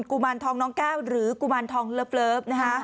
ุมารทองน้องแก้วหรือกุมารทองเลิฟนะคะ